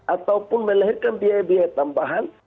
ataupun melahirkan biaya biaya tambahan